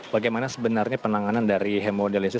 bagaimana sebenarnya penanganan dari hemodialisis